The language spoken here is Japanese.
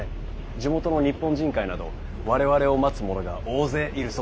地元の日本人会など我々を待つ者が大勢いるそうで。